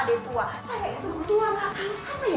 saya yang tua kamu sama ya